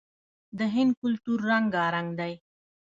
د هند کلتور رنګارنګ دی.